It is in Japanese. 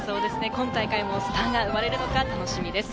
今大会もスターが生まれるのか楽しみです。